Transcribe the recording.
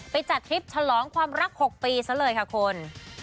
จัดทริปฉลองความรัก๖ปีซะเลยค่ะคุณ